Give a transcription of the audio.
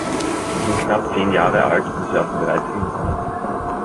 Sie sind knapp zehn Jahre alt und surfen bereits im Internet.